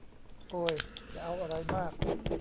โอย จะเอาอะไรมาก